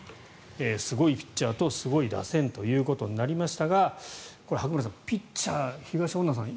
すごいピッチャーとすごい打線ということになりましたが白村さんピッチャー、東恩納さん